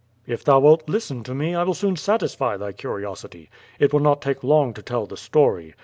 "If thou wilt listen to me, I will soon satisfy thy curiosity. It will not take long to tell the story.